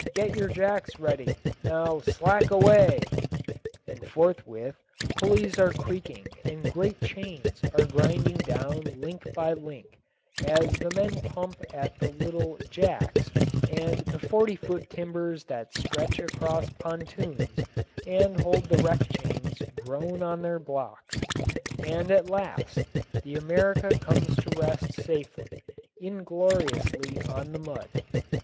Get yer jacks ready. Now slack away!" And forthwith pulleys are creaking and great chains are grinding down link by link as the men pump at the little "jacks" and the forty foot timbers that stretch across pontoons and hold the wreck chains groan on their blocks, and at last the America comes to rest safely, ingloriously on the mud.